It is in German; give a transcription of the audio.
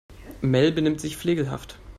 Mel benimmt sich flegelhaft.